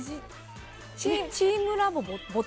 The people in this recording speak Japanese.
チームラボ？